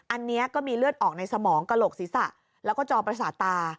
อันนี้ก็มีเลือดออกในสมองกระโหลกศีรษะแล้วก็จอประสาทตา